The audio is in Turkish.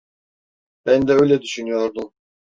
Ben de öyle düşünüyordum.